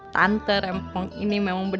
tante rempong ini memang bener bener